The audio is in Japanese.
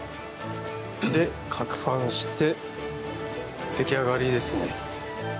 で、かくはんして出来上がりですね。